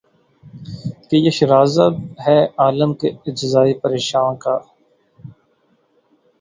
کہ یہ شیرازہ ہے عالم کے اجزائے پریشاں کا